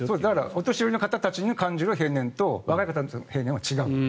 お年寄りの方たちが感じる平年と若い方の平年は違う。